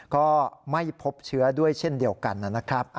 ก็ไม่พบเชื้อด้วยเช่นเดียวกันนะครับ